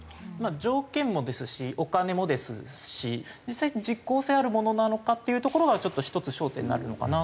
条件もですしお金もですし実際実効性あるものなのかっていうところがちょっと１つ焦点になるのかなとは。